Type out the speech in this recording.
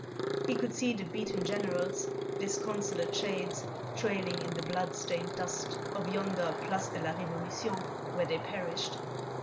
He could see the beaten Generals, disconsolate shades, trailing in the blood stained dust of yonder Place de la Révolution where they perished.